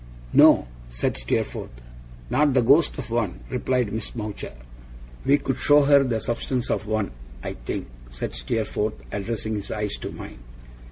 'No?' said Steerforth. 'Not the ghost of one,' replied Miss Mowcher. 'We could show her the substance of one, I think?' said Steerforth, addressing his eyes to mine.